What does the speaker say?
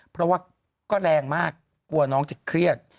เพราะว่าก็แรงมากกลัวน้องจะเครียด